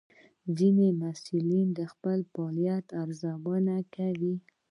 ځینې محصلین د خپل فعالیت ارزونه کوي.